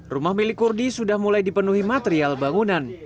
rumah milik kurdi sudah mulai dipenuhi material bangunan